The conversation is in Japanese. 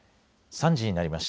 ３時になりました。